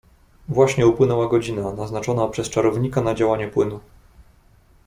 "Właśnie upłynęła godzina, naznaczona przez czarownika na działanie płynu."